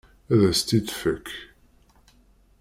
Ad as-t-id-tfek.